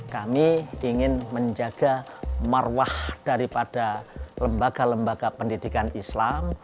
kami ingin menjaga marwah daripada lembaga lembaga pendidikan islam